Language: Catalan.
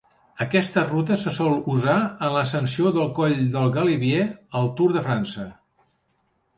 Aquesta ruta se sol usar en l'ascensió del coll del Galibier al Tour de França.